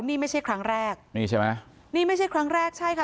นี่ไม่ใช่ครั้งแรกนี่ใช่ไหมนี่ไม่ใช่ครั้งแรกใช่ค่ะ